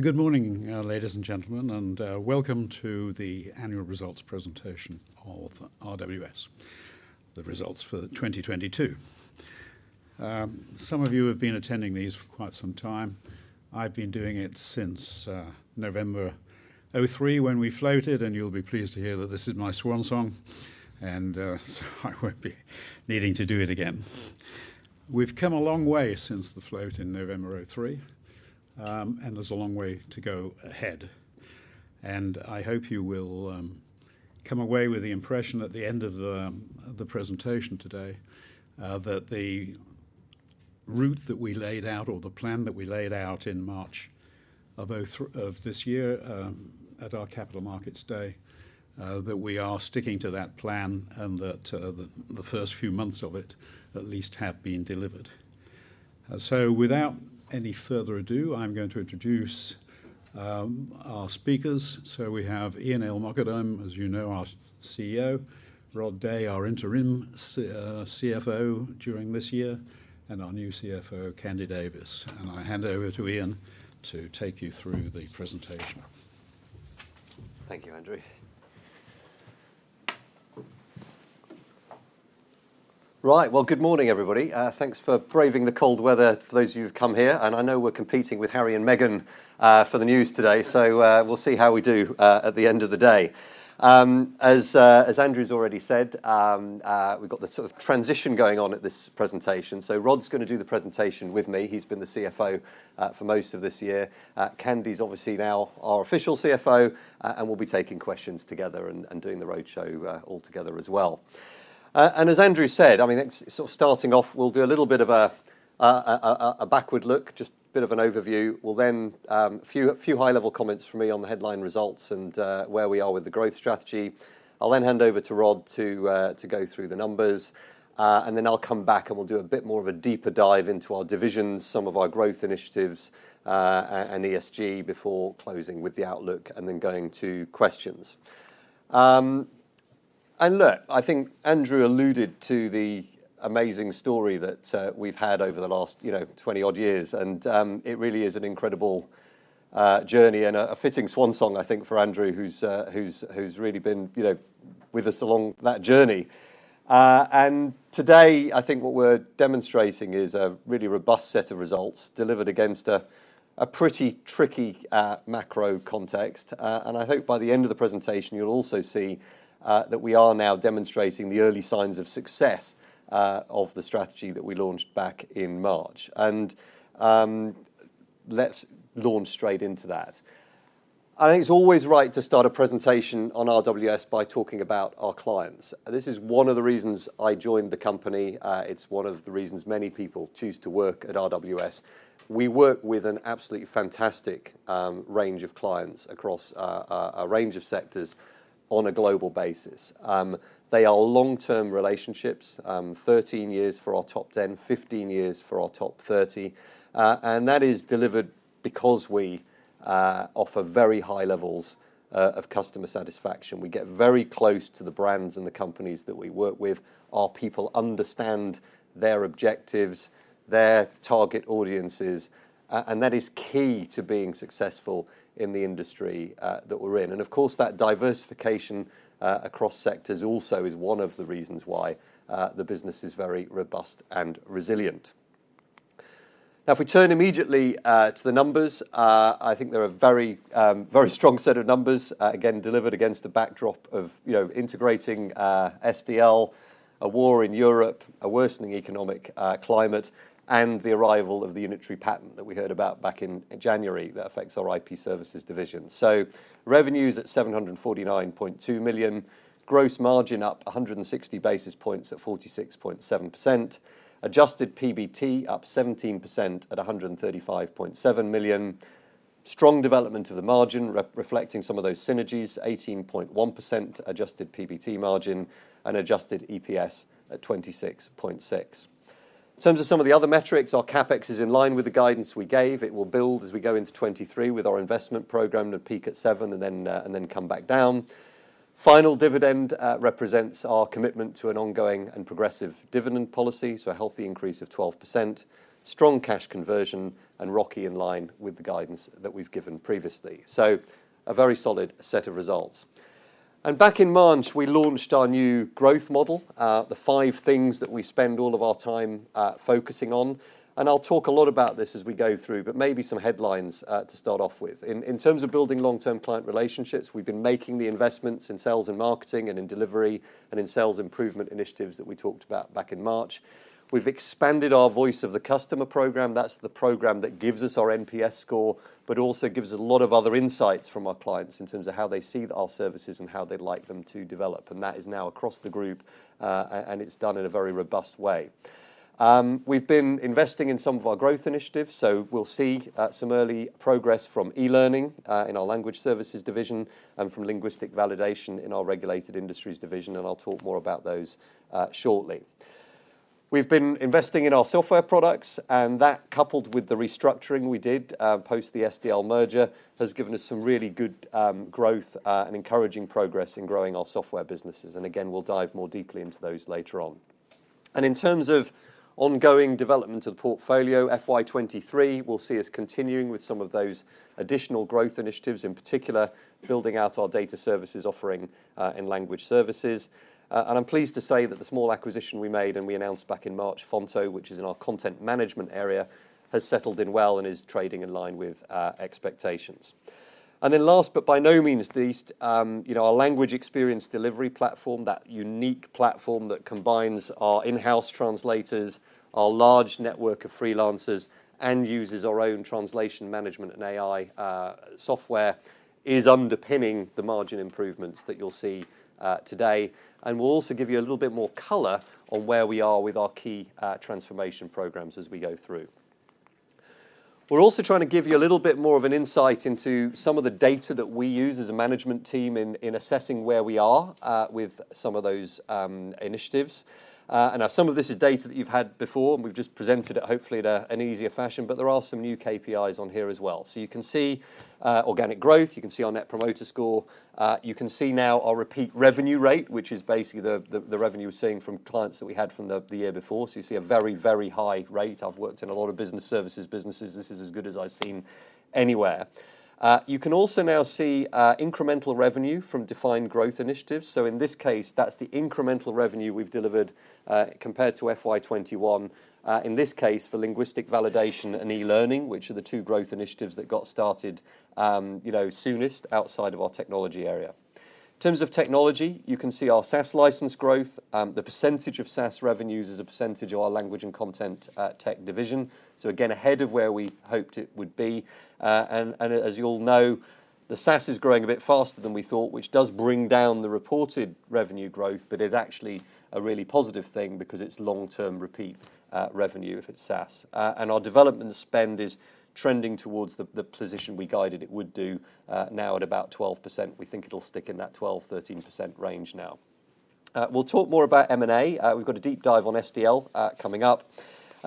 Good morning, ladies and gentlemen, and welcome to the annual results presentation of RWS, the results for 2022. Some of you have been attending these for quite some time. I've been doing it since November 2003 when we floated, and you'll be pleased to hear that this is my swansong, and so I won't be needing to do it again. We've come a long way since the float in November 2003, and there's a long way to go ahead. I hope you will come away with the impression at the end of the presentation today that the route that we laid out or the plan that we laid out in March of this year at our Capital Markets Day, that we are sticking to that plan and that the first few months of it at least have been delivered. Without any further ado, I'm going to introduce our speakers. We have Ian El-Mokadem, as you know, our CEO, Rod Day, our interim CFO during this year, and our new CFO, Candida Davies. I hand over to Ian to take you through the presentation. Thank you, Andrew. Right. Well, good morning, everybody. Thanks for braving the cold weather for those of you who've come here. I know we're competing with Harry and Meghan for the news today, so we'll see how we do at the end of the day. As Andrew's already said, we've got the sort of transition going on at this presentation, so Rod's gonna do the presentation with me. He's been the CFO for most of this year. Candy's obviously now our official CFO, and we'll be taking questions together and doing the roadshow all together as well. As Andrew said, I mean, next, starting off, we'll do a little bit of a backward look, just a bit of an overview. We'll then, few high-level comments from me on the headline results and where we are with the growth strategy. I'll then hand over to Rod to go through the numbers, and then I'll come back, and we'll do a bit more of a deeper dive into our divisions, some of our growth initiatives, and ESG before closing with the outlook and then going to questions. Look, I think Andrew alluded to the amazing story that we've had over the last, you know, 20-odd years, and it really is an incredible journey and a fitting swansong, I think, for Andrew, who's really been, you know, with us along that journey. Today, I think what we're demonstrating is a really robust set of results delivered against a pretty tricky macro context. I hope by the end of the presentation you'll also see that we are now demonstrating the early signs of success of the strategy that we launched back in March. Let's launch straight into that. I think it's always right to start a presentation on RWS by talking about our clients. This is one of the reasons I joined the company. It's one of the reasons many people choose to work at RWS. We work with an absolutely fantastic range of clients across a range of sectors on a global basis. They are long-term relationships, 13 years for our top 10, 15 years for our top 30. That is delivered because we offer very high levels of customer satisfaction. We get very close to the brands and the companies that we work with. Our people understand their objectives, their target audiences, that is key to being successful in the industry that we're in. Of course, that diversification across sectors also is one of the reasons why the business is very robust and resilient. If we turn immediately to the numbers, I think they're a very strong set of numbers, again, delivered against a backdrop of, you know, integrating SDL, a war in Europe, a worsening economic climate, and the arrival of the Unitary Patent that we heard about back in January that affects our IP Services division. Revenues at 749.2 million. Gross margin up 160 basis points at 46.7%. Adjusted PBT up 17% at 135.7 million. Strong development of the margin re-reflecting some of those synergies, 18.1% Adjusted PBT margin and adjusted EPS at 26.6p. In terms of some of the other metrics, our CapEx is in line with the guidance we gave. It will build as we go into 2023 with our investment program to peak at 7% and then come back down. Final dividend represents our commitment to an ongoing and progressive dividend policy, so a healthy increase of 12%. Strong cash conversion and ROCE in line with the guidance that we've given previously. A very solid set of results. Back in March, we launched our new growth model, the five things that we spend all of our time focusing on, and I'll talk a lot about this as we go through, but maybe some headlines to start off with. In terms of building long-term client relationships, we've been making the investments in sales and marketing and in delivery and in sales improvement initiatives that we talked about back in March. We've expanded our Voice of the Customer program. That's the program that gives us our NPS score, but also gives us a lot of other insights from our clients in terms of how they see our services and how they'd like them to develop. That is now across the group, and it's done in a very robust way. We've been investing in some of our growth initiatives, so we'll see some early progress from e-learning in our Language Services division and from Linguistic Validation in our Regulated Industries division. I'll talk more about those shortly. We've been investing in our software products, that coupled with the restructuring we did post the SDL merger, has given us some really good growth and encouraging progress in growing our software businesses. Again, we'll dive more deeply into those later on. In terms of ongoing development of the portfolio, FY23 will see us continuing with some of those additional growth initiatives, in particular building out our data services offering in Language Services. I'm pleased to say that the small acquisition we made and we announced back in March, Fonto, which is in our content management area, has settled in well and is trading in line with expectations. Last but by no means least, you know, our Language eXperience Delivery platform, that unique platform that combines our in-house translators, our large network of freelancers, and uses our own translation management and AI software, is underpinning the margin improvements that you'll see today, and will also give you a little bit more color on where we are with our key transformation programs as we go through. Trying to give you a little bit more of an insight into some of the data that we use as a management team in assessing where we are with some of those initiatives. Now some of this is data that you've had before, and we've just presented it hopefully at an easier fashion, but there are some new KPIs on here as well. You can see organic growth. You can see our net promoter score. You can see now our repeat revenue rate, which is basically the revenue we're seeing from clients that we had from the year before. You see a very, very high rate. I've worked in a lot of business services businesses. This is as good as I've seen anywhere. You can also now see incremental revenue from defined growth initiatives. In this case, that's the incremental revenue we've delivered, compared to FY 2021, in this case for Linguistic Validation and e-learning, which are the two growth initiatives that got started, you know, soonest outside of our technology area. In terms of technology, you can see our SaaS license growth, the percentage of SaaS revenues as a percentage of our Language and Content tech division, again ahead of where we hoped it would be. And as you all know, the SaaS is growing a bit faster than we thought, which does bring down the reported revenue growth, but is actually a really positive thing because it's long-term repeat, revenue if it's SaaS. And our development spend is trending towards the position we guided it would do, now at about 12%. We think it'll stick in that 12%-13% range now. We'll talk more about M&A. We've got a deep dive on SDL coming up.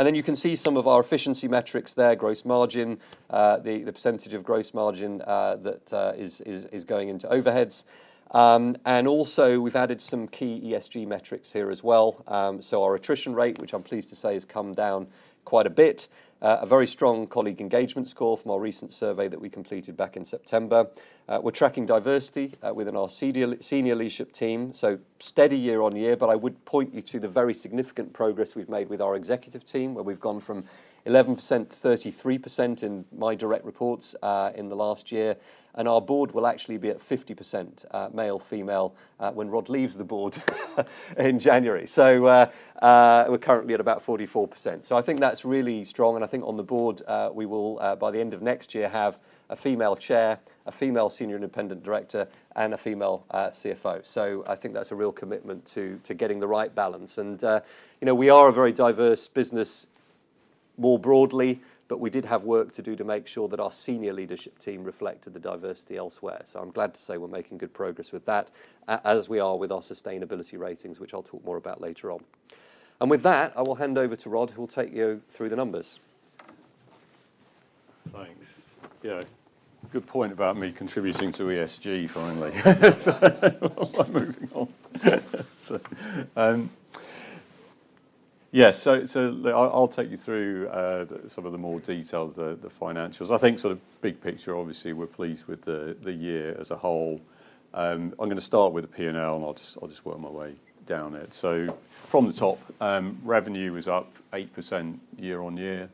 You can see some of our efficiency metrics there, gross margin, the percentage of gross margin that is going into overheads. We've added some key ESG metrics here as well. Our attrition rate, which I'm pleased to say has come down quite a bit. A very strong colleague engagement score from our recent survey that we completed back in September. We're tracking diversity within our senior leadership team, steady year on year, I would point you to the very significant progress we've made with our executive team, where we've gone from 11% to 33% in my direct reports in the last year. Our board will actually be at 50% male female when Rod leaves the board in January. We're currently at about 44%. I think that's really strong, I think on the board, we will by the end of next year, have a female chair, a female senior independent director, and a female CFO. I think that's a real commitment to getting the right balance. You know, we are a very diverse business more broadly, but we did have work to do to make sure that our senior leadership team reflected the diversity elsewhere. I'm glad to say we're making good progress with that as we are with our sustainability ratings, which I'll talk more about later on. With that, I will hand over to Rod, who will take you through the numbers. Thanks. Yeah. Good point about me contributing to ESG finally. Moving on. Yeah, I'll take you through some of the more detailed financials. I think sort of big picture, obviously we're pleased with the year as a whole. I'm gonna start with the P&L, and I'll just work my way down it. From the top, revenue is up 8% year-on-year.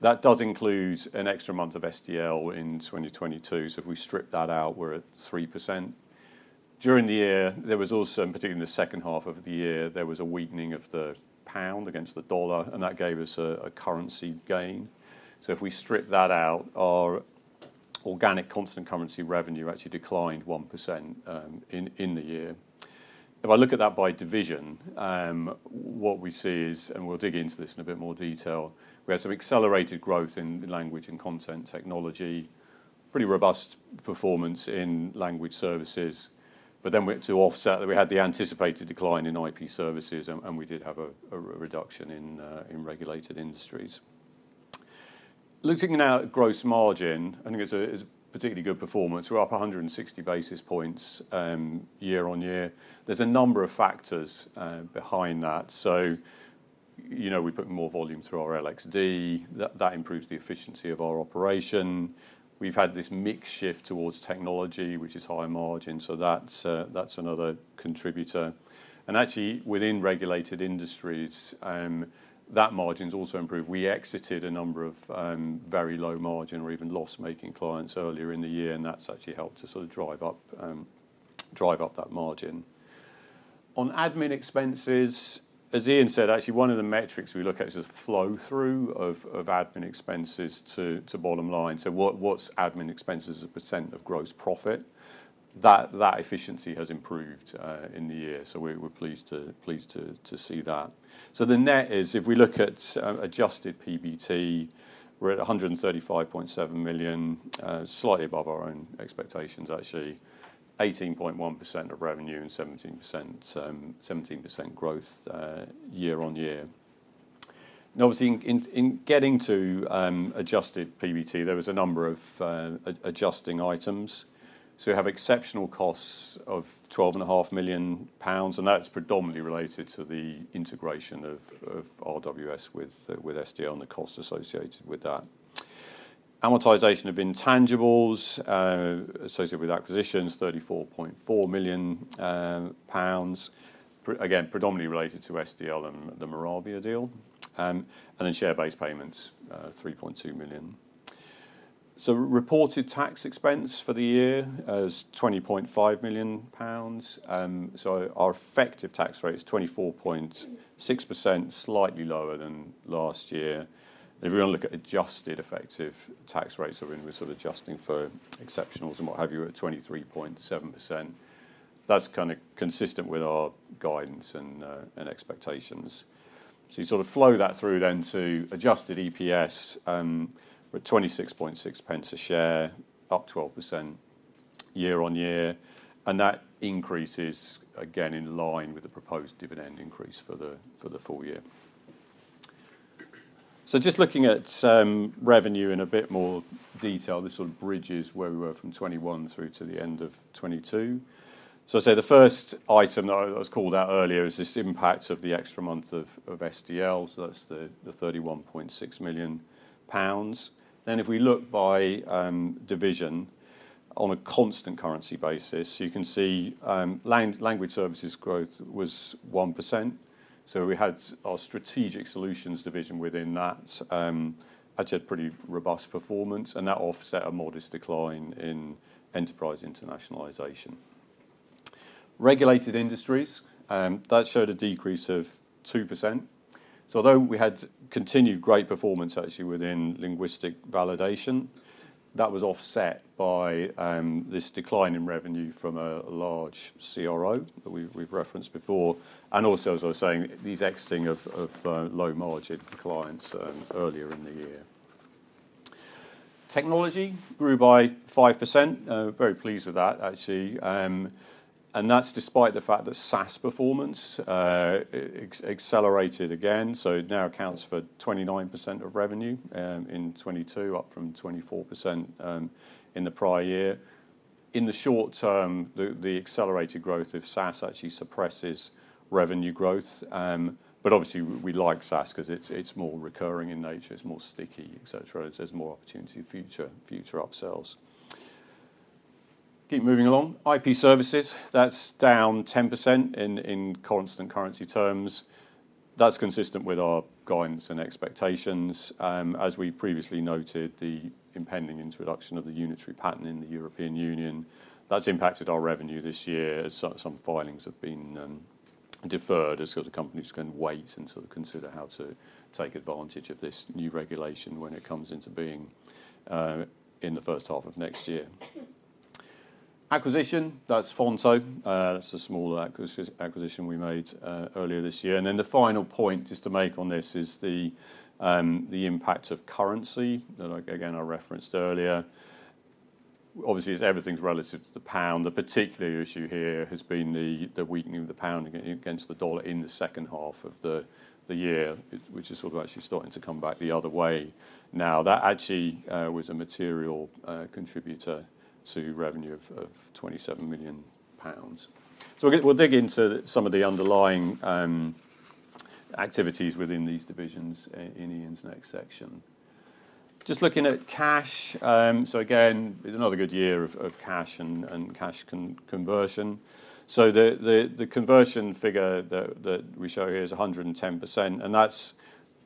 That does include an extra month of SDL in 2022, so if we strip that out, we're at 3%. During the year, there was also, in particular in the second half of the year, there was a weakening of the pound against the dollar, and that gave us a currency gain. If we strip that out, our organic constant currency revenue actually declined 1% in the year. If I look at that by division, what we see is, and we'll dig into this in a bit more detail, we had some accelerated growth in Language and Content Technology, pretty robust performance in Language Services. We had to offset that we had the anticipated decline in IP Services and we did have a reduction in Regulated Industries. Looking now at gross margin, I think it's a particularly good performance. We're up 160 basis points year-over-year. There's a number of factors behind that. You know, we put more volume through our LXD. That improves the efficiency of our operation. We've had this mix shift towards technology, which is higher margin, so that's another contributor. Actually, within Regulated Industries, that margin's also improved. We exited a number of very low margin or even loss-making clients earlier in the year, and that's actually helped to sort of drive up that margin. On admin expenses, as Ian said, actually one of the metrics we look at is the flow-through of admin expenses to bottom line. What's admin expenses as a % of gross profit? That efficiency has improved in the year, so we're pleased to see that. The net is, if we look at Adjusted PBT, we're at 135.7 million, slightly above our own expectations actually. 18.1% of revenue 17% growth year-on-year. In getting to Adjusted PBT, there was a number of adjusting items. You have exceptional costs of 12 and a half million, and that's predominantly related to the integration of RWS with SDL and the costs associated with that. Amortization of intangibles associated with acquisitions, 34.4 million pounds. Again, predominantly related to SDL and the Moravia deal. Share-based payments, 3.2 million. Reported tax expense for the year is 20.5 million pounds. Our effective tax rate is 24.6%, slightly lower than last year. If we wanna look at adjusted effective tax rates, when we're sort of adjusting for exceptionals and what have you, we're at 23.7%. That's kind of consistent with our guidance and expectations. You sort of flow that through then to adjusted EPS, we're at 26.6 pence a share, up 12% year-on-year, and that increase is again in line with the proposed dividend increase for the full year. Just looking at revenue in a bit more detail. This sort of bridges where we were from 2021 through to the end of 2022. I'd say the first item that was called out earlier is this impact of the extra month of SDL, that's the 31.6 million pounds. If we look by division on a constant currency basis, you can see Language Services growth was 1%. We had our Strategic Solutions division within that. That showed pretty robust performance, and that offset a modest decline in Enterprise Internationalization. Regulated Industries, that showed a decrease of 2%. Although we had continued great performance actually within Linguistic Validation, that was offset by this decline in revenue from a large CRO that we've referenced before. Also, as I was saying, these exiting of low margin clients earlier in the year. Technology grew by 5%. Very pleased with that actually. And that's despite the fact that SaaS performance accelerated again, so it now accounts for 29% of revenue in 2022, up from 24% in the prior year. In the short term, the accelerated growth of SaaS actually suppresses revenue growth. Obviously we like SaaS 'cause it's more recurring in nature, it's more sticky, etc. There's more opportunity for future upsells. Keep moving along. IP Services, that's down 10% in constant currency terms. That's consistent with our guidance and expectations. As we previously noted, the impending introduction of the Unitary Patent in the European Union, that's impacted our revenue this year as some filings have been deferred as sort of companies can wait and sort of consider how to take advantage of this new regulation when it comes into being in the first half of next year. Acquisition, that's Fonto. That's a smaller acquisition we made earlier this year. The final point just to make on this is the impact of currency that again I referenced earlier. Obviously as everything's relative to the pound, the particular issue here has been the weakening of the pound against the dollar in the second half of the year, which is sort of actually starting to come back the other way now. That actually was a material contributor to revenue of 27 million pounds. We'll dig into some of the underlying activities within these divisions in Ian's next section. Just looking at cash, again, another good year of cash and cash conversion. The conversion figure that we show here is 110%. That's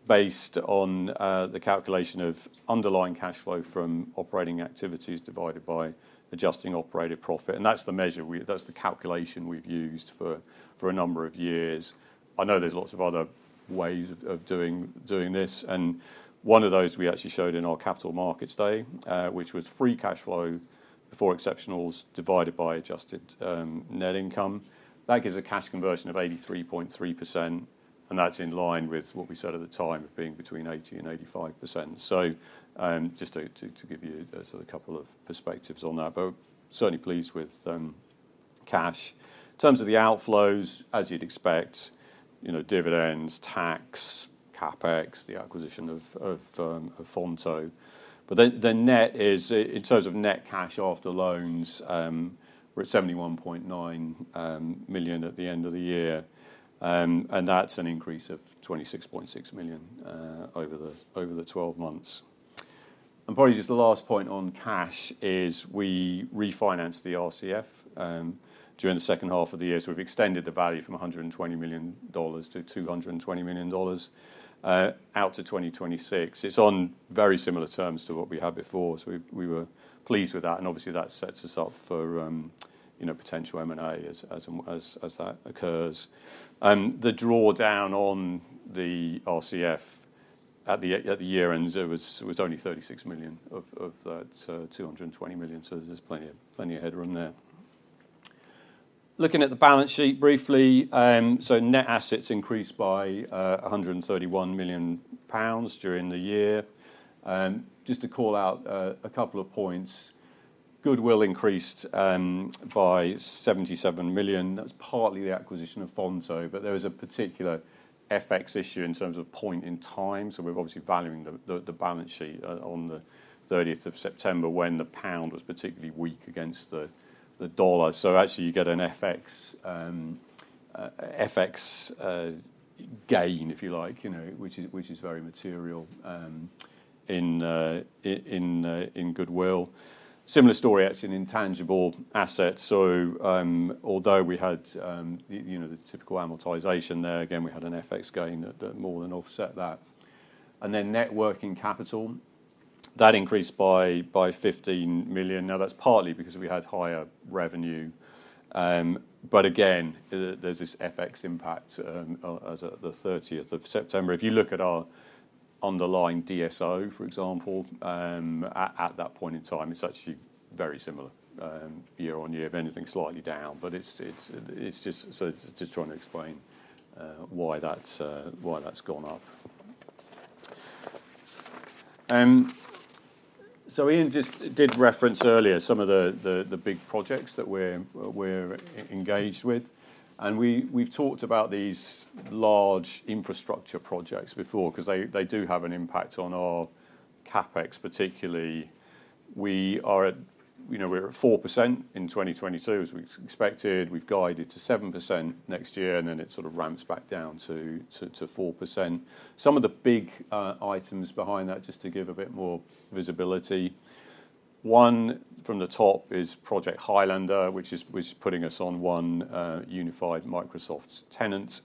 based on the calculation of underlying cash flow from operating activities divided by adjusting operating profit. That's the calculation we've used for a number of years. I know there's lots of other ways of doing this, and one of those we actually showed in our Capital Markets Day, which was free cash flow before exceptionals divided by adjusted net income. That gives a cash conversion of 83.3%, and that's in line with what we said at the time of being between 80% and 85%. Just to give you a sort of couple of perspectives on that, but certainly pleased with cash. In terms of the outflows, as you'd expect, you know, dividends, tax, CapEx, the acquisition of Fonto. The net is in terms of net cash after loans, we're at 71.9 million at the end of the year, and that's an increase of 26.6 million over the twelve months. Just the last point on cash is we refinanced the RCF during the second half of the year. We've extended the value from $120 million to $220 million out to 2026. It's on very similar terms to what we had before, we were pleased with that, and obviously that sets us up for, you know, potential M&A as that occurs. The drawdown on the RCF at the year-end, it was only 36 million of that, so 220 million, so there's plenty of headroom there. Looking at the balance sheet briefly, net assets increased by 131 million pounds during the year. Just to call out a couple of points. Goodwill increased by 77 million. That's partly the acquisition of Fonto, but there is a particular FX issue in terms of point in time, so we're obviously valuing the balance sheet on the 30th of September when the pound was particularly weak against the dollar. Actually, you get an FX gain, if you like, you know, which is very material in goodwill. Similar story actually in intangible assets. Although we had, you know, the typical amortization there, again, we had an FX gain that more than offset that. Net working capital, that increased by 15 million. Now, that's partly because we had higher revenue. Again, there's this FX impact as at the 30th of September. If you look at our underlying DSO, for example, at that point in time, it's actually very similar year-over-year. If anything, slightly down. It's just trying to explain why that's why that's gone up. Ian just did reference earlier some of the big projects that we're engaged with, and we've talked about these large infrastructure projects before 'cause they do have an impact on our CapEx particularly. We are at, you know, we're at 4% in 2022 as we expected. We've guided to 7% next year, and then it sort of ramps back down to 4%. Some of the big items behind that, just to give a bit more visibility, one from the top is Project Highlander, which is putting us on one unified Microsoft tenant,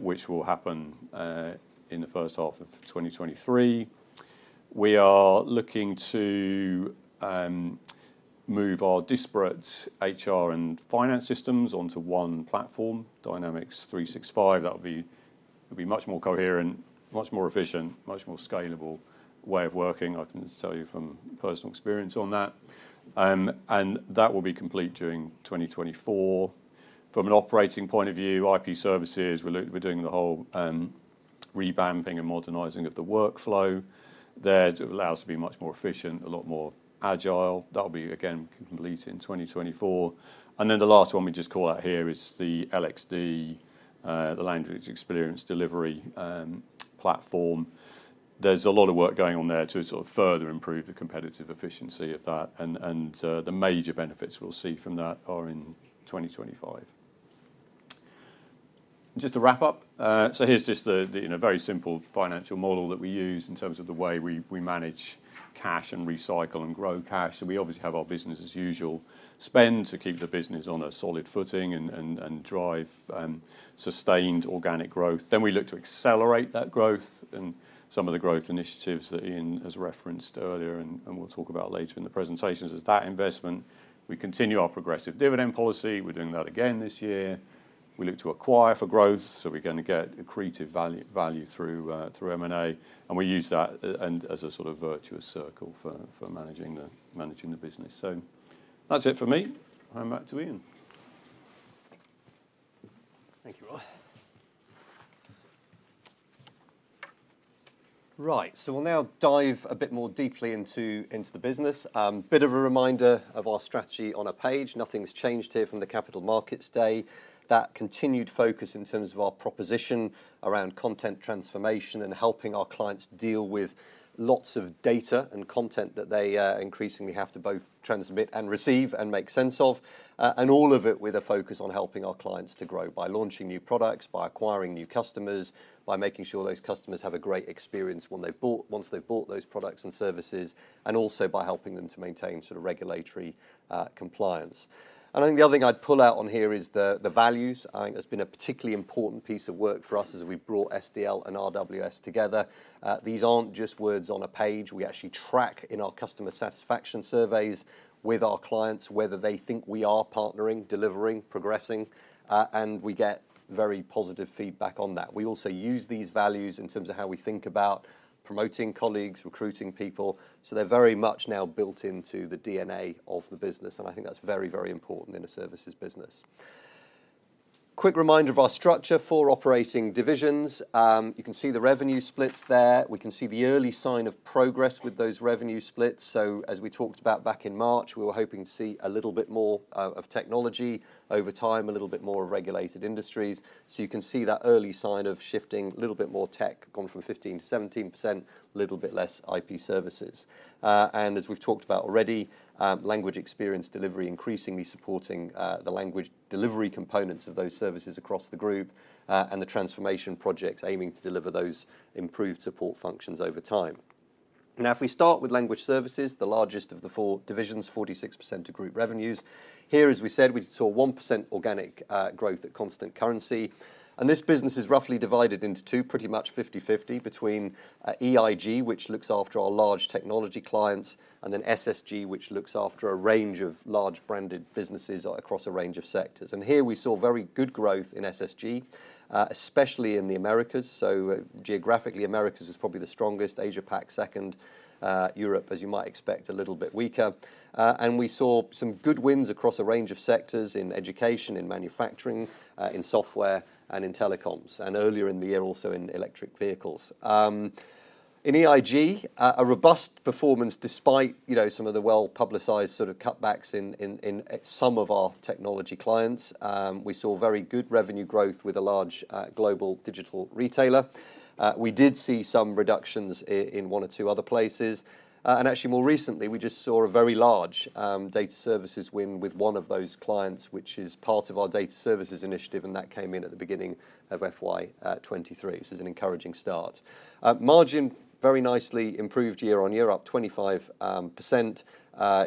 which will happen in the first half of 2023. We are looking to move our disparate HR and finance systems onto one platform, Dynamics 365. That'll be much more coherent, much more efficient, much more scalable way of working. I can tell you from personal experience on that. That will be complete during 2024. From an operating point of view, IP Services, we're doing the whole revamping and modernizing of the workflow there to allow us to be much more efficient, a lot more agile. That'll be, again, complete in 2024. The last one we just call out here is the LXD, the Language eXperience Delivery platform. There's a lot of work going on there to sort of further improve the competitive efficiency of that and the major benefits we'll see from that are in 2025. To wrap up, here's just the, you know, very simple financial model that we use in terms of the way we manage cash and recycle and grow cash. We obviously have our business as usual spend to keep the business on a solid footing and drive sustained organic growth. We look to accelerate that growth and some of the growth initiatives that Ian has referenced earlier and we'll talk about later in the presentations is that investment. We continue our progressive dividend policy. We're doing that again this year. We look to acquire for growth, so we're gonna get accretive value through M&A, and we use that and as a sort of virtuous circle for managing the managing the business. That's it for me. Back to Ian. Thank you, Rod. Right. We'll now dive a bit more deeply into the business. Bit of a reminder of our strategy on a page. Nothing's changed here from the Capital Markets Day. That continued focus in terms of our proposition around content transformation and helping our clients deal with lots of data and content that they increasingly have to both transmit and receive and make sense of. And all of it with a focus on helping our clients to grow by launching new products, by acquiring new customers, by making sure those customers have a great experience once they've bought those products and services, and also by helping them to maintain sort of regulatory compliance. The other thing I'd pull out on here is the values. I think that's been a particularly important piece of work for us as we've brought SDL and RWS together. These aren't just words on a page. We actually track in our customer satisfaction surveys with our clients, whether they think we are partnering, delivering, progressing, and we get very positive feedback on that. We also use these values in terms of how we think about promoting colleagues, recruiting people, so they're very much now built into the DNA of the business, and I think that's very, very important in a services business. Quick reminder of our structure. Four operating divisions. You can see the revenue splits there. We can see the early sign of progress with those revenue splits. As we talked about back in March, we were hoping to see a little bit more of technology over time, a little bit more of Regulated Industries. You can see that early sign of shifting. Little bit more tech, gone from 15 to 17%, little bit less IP Services. And as we've talked about already, Language Experience Delivery increasingly supporting the language delivery components of those services across the group, and the transformation projects aiming to deliver those improved support functions over time. If we start with Language Services, the largest of the four divisions, 46% of group revenues. Here, as we said, we saw 1% organic growth at constant currency. This business is roughly divided into two, pretty much 50/50 between EIG, which looks after our large technology clients, and then SSG, which looks after a range of large branded businesses across a range of sectors. Here we saw very good growth in SSG, especially in the Americas. Geographically, Americas is probably the strongest. Asia Pac second. Europe, as you might expect, a little bit weaker. we saw some good wins across a range of sectors in education, in manufacturing, in software and in telecoms, and earlier in the year, also in electric vehicles. In EIG a robust performance despite, you know, some of the well-publicized sort of cutbacks at some of our technology clients. We saw very good revenue growth with a large, global digital retailer. We did see some reductions in one or two other places. Actually more recently, we just saw a very large data services win with one of those clients, which is part of our data services initiative, and that came in at the beginning of FY 2023. It was an encouraging start. Margin very nicely improved year on year, up 25%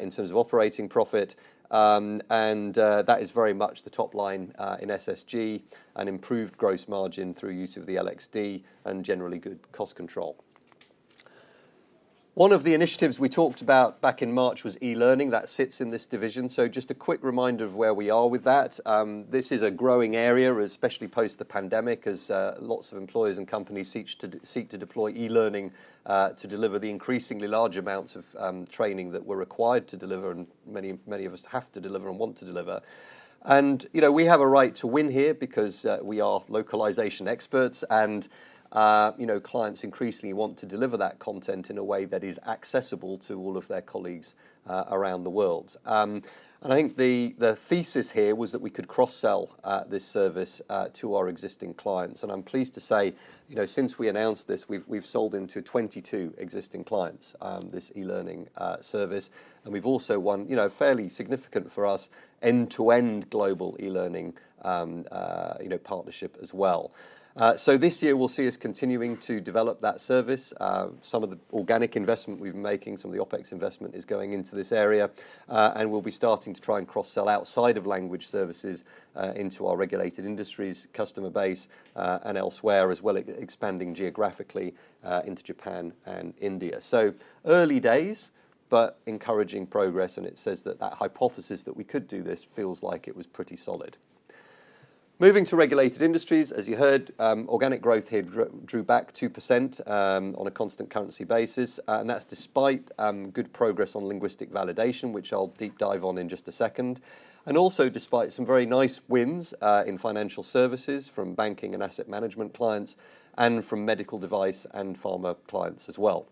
in terms of operating profit. That is very much the top line in SSG, an improved gross margin through use of the LXD and generally good cost control. One of the initiatives we talked about back in March was e-learning. That sits in this division, so just a quick reminder of where we are with that. This is a growing area, especially post the pandemic, as lots of employers and companies seek to deploy e-learning to deliver the increasingly large amounts of training that we're required to deliver and many, many of us have to deliver and want to deliver. You know, we have a right to win here because we are localization experts and, you know, clients increasingly want to deliver that content in a way that is accessible to all of their colleagues around the world. I think the thesis here was that we could cross-sell this service to our existing clients. I'm pleased to say, you know, since we announced this, we've sold into 22 existing clients, this e-learning service. We've also won, you know, fairly significant for us end-to-end global e-learning, you know, partnership as well. This year will see us continuing to develop that service. Some of the organic investment we've been making, some of the OpEx investment is going into this area, and we'll be starting to try and cross-sell outside of Language Services into our Regulated Industries customer base and elsewhere, as well expanding geographically into Japan and India. Early days, but encouraging progress and it says that hypothesis that we could do this feels like it was pretty solid. Moving to Regulated Industries, as you heard, organic growth here drew back 2% on a constant currency basis. That's despite good progress on Linguistic Validation, which I'll deep dive on in just a second. Despite some very nice wins in financial services from banking and asset management clients and from medical device and pharma clients as well.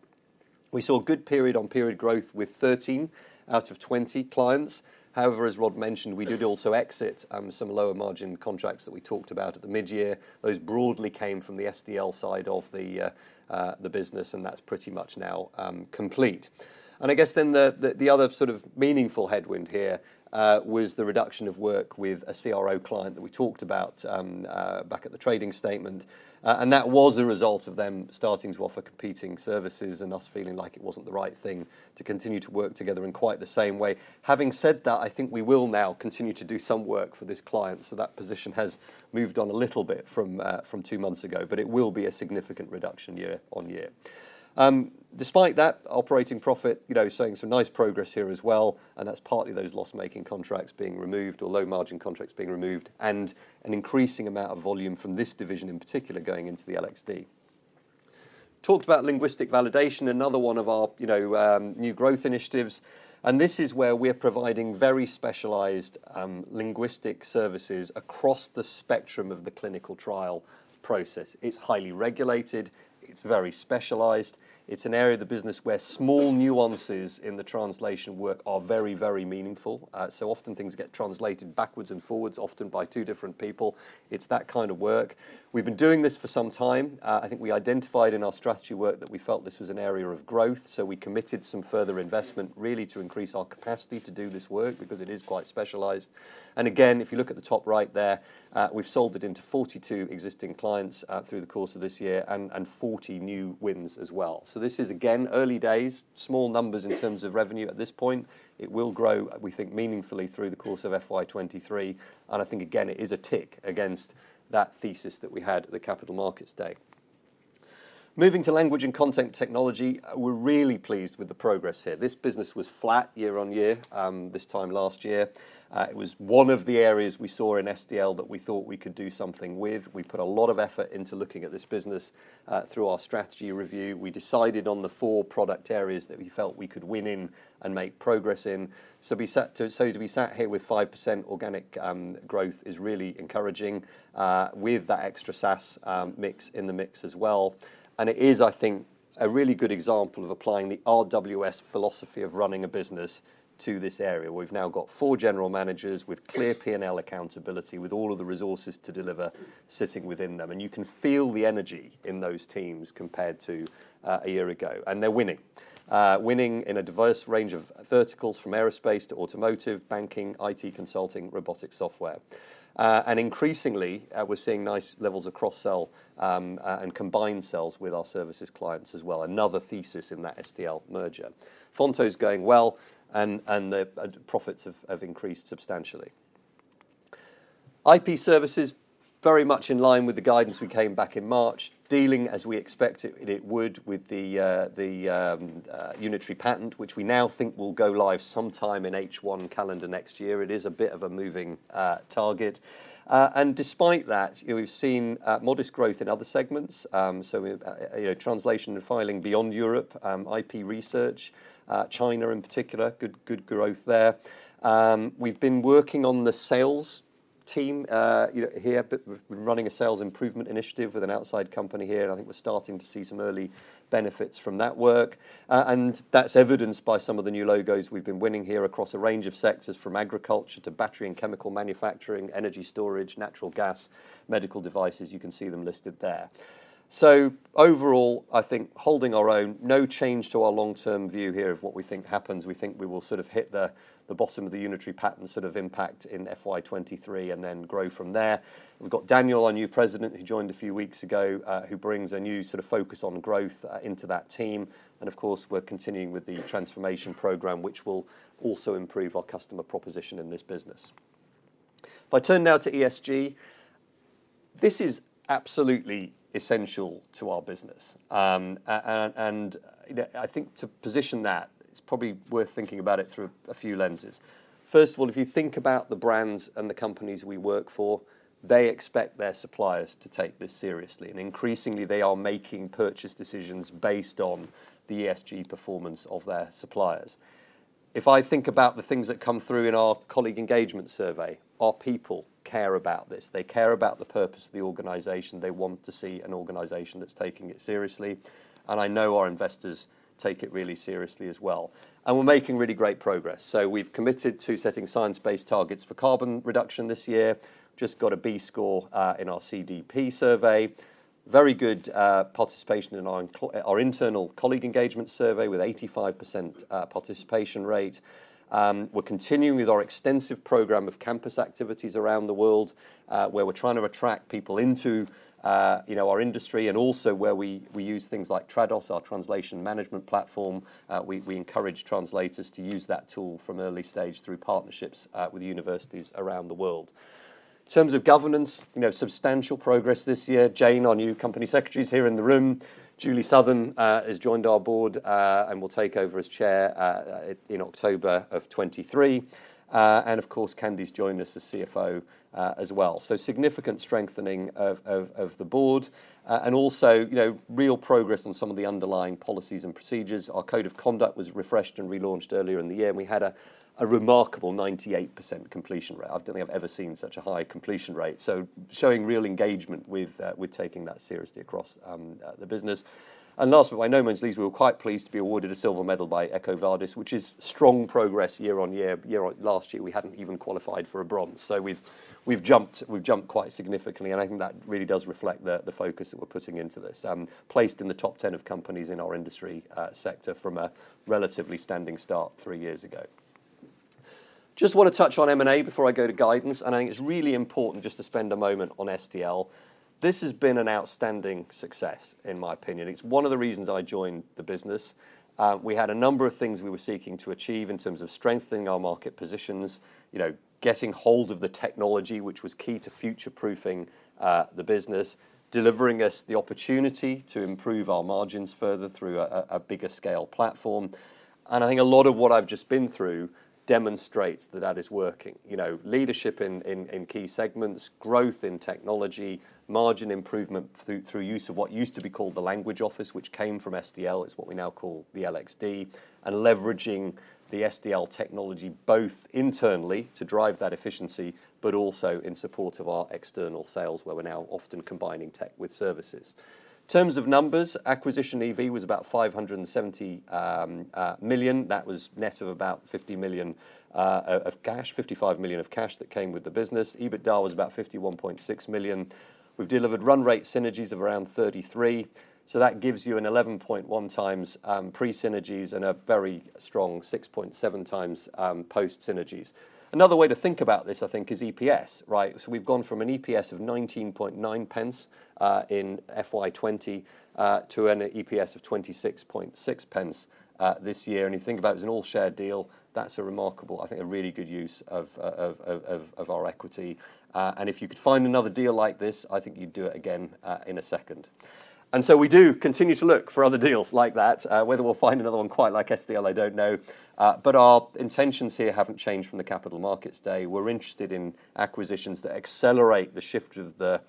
We saw good period-on-period growth with 13 out of 20 clients. As Rod mentioned, we did also exit some lower margin contracts that we talked about at the mid-year. Those broadly came from the SDL side of the business, and that's pretty much now complete. I guess the other sort of meaningful headwind here was the reduction of work with a CRO client that we talked about back at the trading statement. That was a result of them starting to offer competing services and us feeling like it wasn't the right thing to continue to work together in quite the same way. Having said that, I think we will now continue to do some work for this client, so that position has moved on a little bit from two months ago, but it will be a significant reduction year-over-year. Despite that operating profit, you know, seeing some nice progress here as well, and that's partly those loss-making contracts being removed or low margin contracts being removed and an increasing amount of volume from this division in particular going into the LXD. Talked about Linguistic Validation, another one of our, you know, new growth initiatives, and this is where we're providing very specialized linguistic services across the spectrum of the clinical trial process. It's highly regulated. It's very specialized. It's an area of the business where small nuances in the translation work are very, very meaningful. So often things get translated backwards and forwards, often by two different people. It's that kind of work. We've been doing this for some time. I think we identified in our strategy work that we felt this was an area of growth, so we committed some further investment really to increase our capacity to do this work because it is quite specialized. Again, if you look at the top right there, we've sold it into 42 existing clients through the course of this year and 40 new wins as well. This is again, early days, small numbers in terms of revenue at this point. It will grow, we think meaningfully through the course of FY 2023. I think again, it is a tick against that thesis that we had at the Capital Markets Day. Moving to Language and Content Technology, we're really pleased with the progress here. This business was flat year-on-year, this time last year. It was one of the areas we saw in SDL that we thought we could do something with. We put a lot of effort into looking at this business, through our strategy review. We decided on the four product areas that we felt we could win in and make progress in. To be sat here with 5% organic growth is really encouraging, with that extra SaaS mix in the mix as well. It is, I think, a really good example of applying the RWS philosophy of running a business to this area. We've now got four general managers with clear P&L accountability, with all of the resources to deliver sitting within them. You can feel the energy in those teams compared to a year ago. They're winning. Winning in a diverse range of verticals from aerospace to automotive, banking, IT consulting, robotics software. Increasingly, we're seeing nice levels of cross-sell and combined sells with our services clients as well. Another thesis in that SDL merger. Fonto's going well and the profits have increased substantially. IP Services very much in line with the guidance we came back in March, dealing as we expect it would with the Unitary Patent, which we now think will go live sometime in H1 calendar next year. It is a bit of a moving target. Despite that, you know, we've seen modest growth in other segments. We've, you know, translation and filing beyond Europe, IP research, China in particular, good growth there. We've been working on the sales team here. We're running a sales improvement initiative with an outside company here, I think we're starting to see some early benefits from that work. That's evidenced by some of the new logos we've been winning here across a range of sectors from agriculture to battery and chemical manufacturing, energy storage, natural gas, medical devices. You can see them listed there. Overall, I think holding our own, no change to our long-term view here of what we think happens. We think we will sort of hit the bottom of the Unitary Patent sort of impact in FY 23 and then grow from there. We've got Daniel, our new president, who joined a few weeks ago, who brings a new sort of focus on growth into that team. Of course, we're continuing with the transformation program, which will also improve our customer proposition in this business. If I turn now to ESG, this is absolutely essential to our business. I think to position that, it's probably worth thinking about it through a few lenses. First of all, if you think about the brands and the companies we work for, they expect their suppliers to take this seriously, and increasingly they are making purchase decisions based on the ESG performance of their suppliers. If I think about the things that come through in our colleague engagement survey, our people care about this. They care about the purpose of the organization. They want to see an organization that's taking it seriously. I know our investors take it really seriously as well. We're making really great progress. We've committed to setting science-based targets for carbon reduction this year. Just got a B score in our CDP survey. Very good participation in our internal colleague engagement survey with 85% participation rate. We're continuing with our extensive program of campus activities around the world, where we're trying to attract people into, you know, our industry and also where we use things like Trados, our translation management platform. We, we encourage translators to use that tool from early stage through partnerships with universities around the world. In terms of governance, you know, substantial progress this year. Jane, our new Company Secretary, is here in the room. Julie Southern has joined our board and will take over as chair in October of 2023. Of course, Candida's joined us as CFO as well. Significant strengthening of the board and also, you know, real progress on some of the underlying policies and procedures. Our code of conduct was refreshed and relaunched earlier in the year, and we had a remarkable 98% completion rate. I don't think I've ever seen such a high completion rate. Showing real engagement with taking that seriously across the business. Last but by no means least, we were quite pleased to be awarded a silver medal by EcoVadis, which is strong progress year-on-year. Last year, we hadn't even qualified for a bronze. We've jumped quite significantly, and I think that really does reflect the focus that we're putting into this. Placed in the top 10 of companies in our industry sector from a relatively standing start three years ago. Just wanna touch on M&A before I go to guidance. I think it's really important just to spend a moment on SDL. This has been an outstanding success, in my opinion. It's one of the reasons I joined the business. We had a number of things we were seeking to achieve in terms of strengthening our market positions, you know, getting hold of the technology which was key to future-proofing the business, delivering us the opportunity to improve our margins further through a bigger scale platform. I think a lot of what I've just been through demonstrates that that is working. You know, leadership in key segments, growth in technology, margin improvement through use of what used to be called the Language Office, which came from SDL. It's what we now call the LXD. Leveraging the SDL technology both internally to drive that efficiency, but also in support of our external sales, where we're now often combining tech with services. In terms of numbers, acquisition EV was about $570 million. That was net of about $50 million of cash, $55 million of cash that came with the business. EBITDA was about $51.6 million. We've delivered run rate synergies of around $33 million. That gives you an 11.1x pre synergies and a very strong 6.7x post synergies. Another way to think about this, I think, is EPS, right? We've gone from an EPS of 0.199 in FY 2020 to an EPS of 0.266 this year. You think about it as an all-share deal, that's a remarkable, I think a really good use of our equity. If you could find another deal like this, I think you'd do it again in a second. We do continue to look for other deals like that. Whether we'll find another one quite like SDL, I don't know. But our intentions here haven't changed from the Capital Markets Day. We're interested in acquisitions that accelerate the shift of the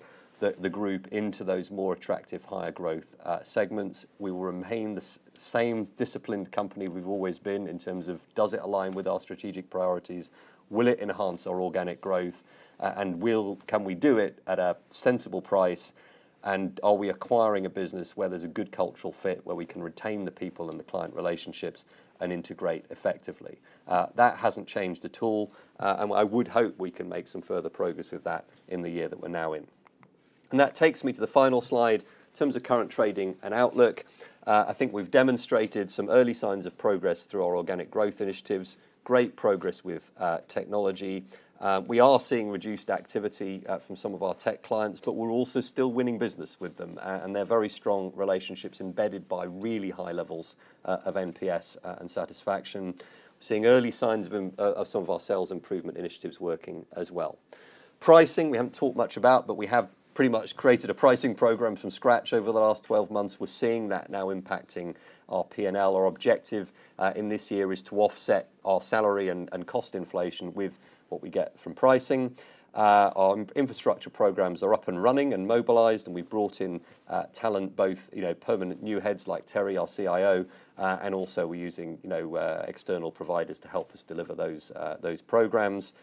group into those more attractive higher growth segments. We will remain the same disciplined company we've always been in terms of does it align with our strategic priorities? Will it enhance our organic growth? And can we do it at a sensible price? And are we acquiring a business where there's a good cultural fit, where we can retain the people and the client relationships and integrate effectively? That hasn't changed at all. I would hope we can make some further progress with that in the year that we're now in. That takes me to the final slide, in terms of current trading and outlook. I think we've demonstrated some early signs of progress through our organic growth initiatives, great progress with technology. We are seeing reduced activity from some of our tech clients. We're also still winning business with them. They're very strong relationships embedded by really high levels of NPS and satisfaction. Seeing early signs of some of our sales improvement initiatives working as well. Pricing, we haven't talked much about. We have pretty much created a pricing program from scratch over the last 12 months. We're seeing that now impacting our P&L. Our objective in this year is to offset our salary and cost inflation with what we get from pricing. Our infrastructure programs are up and running and mobilized, and we've brought in talent, both, you know, permanent new heads like Terry, our CIO, and also we're using, you know, external providers to help us deliver those programs.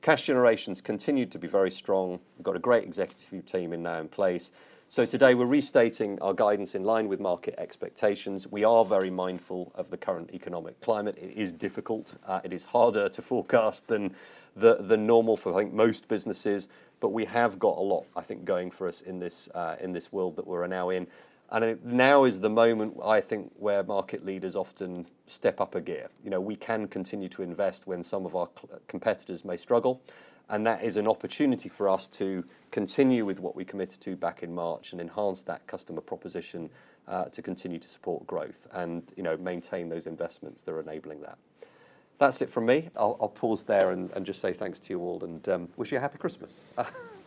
Cash generations continue to be very strong. Got a great executive team in now in place. Today, we're restating our guidance in line with market expectations. We are very mindful of the current economic climate. It is difficult. It is harder to forecast than normal for, I think, most businesses. We have got a lot, I think, going for us in this in this world that we're now in. Now is the moment, I think, where market leaders often step up a gear. You know, we can continue to invest when some of our competitors may struggle, and that is an opportunity for us to continue with what we committed to back in March and enhance that customer proposition to continue to support growth and, you know, maintain those investments that are enabling that. That's it from me. I'll pause there and just say thanks to you all and wish you a happy Christmas. Thank you.